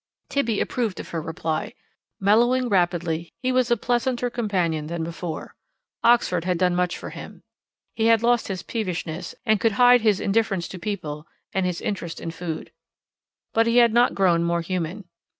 Tibby approved of her reply. Mellowing rapidly, he was a pleasanter companion than before. Oxford had done much for him. He had lost his peevishness, and could hide his indifference to people and his interest in food. But he had not grown more human.